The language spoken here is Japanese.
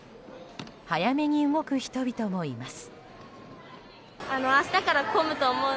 早めに動く人々もいます。